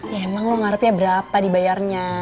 ya emang lo ngarep ya berapa dibayarnya